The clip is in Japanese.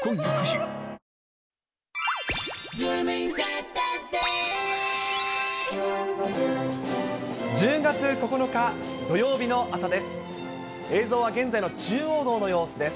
１０月９日土曜日の朝です。